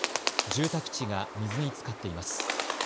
住宅地が水につかっています。